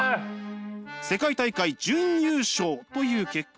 世界大会準優勝という結果。